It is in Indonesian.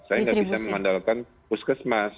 saya nggak bisa mengandalkan puskesmas